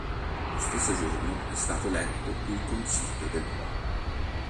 Lo stesso giorno è stato eletto il Consiglio del Popolo.